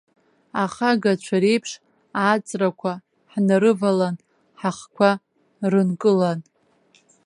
Ахагацәа реиԥш ааҵрақәа ҳнарывалап ҳахқәа рынкылан!